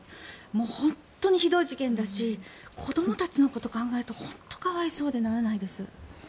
もう本当にひどい事件だし子どもたちのことを考えると本当に可哀想でならないです。